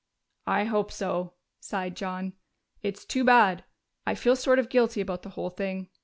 "I hope so," sighed John. "It's too bad. I feel sort of guilty about the whole thing.